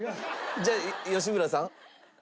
じゃあ吉村さん？